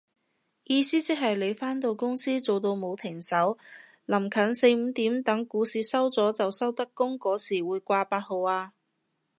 意思即係你返到公司做到冇停手，臨近四五點等股市收咗就收得工嗰時會掛八號啊